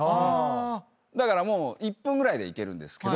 だからもう１分ぐらいで行けるんですけど。